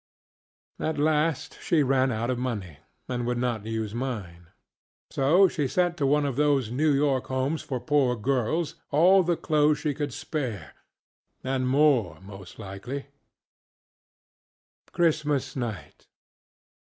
At last she ran out of money, and would not use mine. So she sent to one of those New York homes for poor girls all the clothes she could spareŌĆöand more, most likely. CHRISTMAS NIGHT.